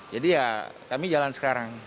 jadi ya kami jalan sekarang